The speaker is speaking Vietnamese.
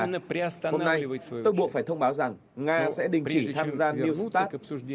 hôm nay tổng bộ phải thông báo rằng nga sẽ đình chỉ tham gia new start